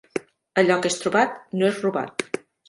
Allò que és trobat no és robat.